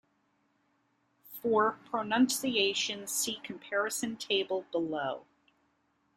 For pronunciations see comparison table below.